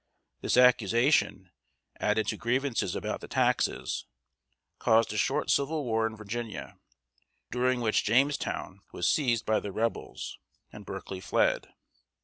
This accusation, added to grievances about the taxes, caused a short civil war in Virginia, during which Jamestown was seized by the rebels, and Berkeley fled.